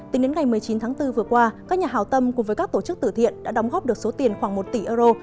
tính đến ngày một mươi chín tháng bốn vừa qua các nhà hào tâm cùng với các tổ chức tử thiện đã đóng góp được số tiền khoảng một tỷ euro